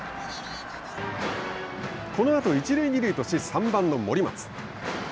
このあと一塁二塁とし３番の森松。